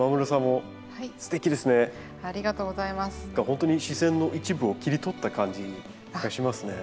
ほんとに自然の一部を切り取った感じがしますね。